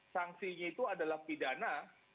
sanksinya itu adalah pidana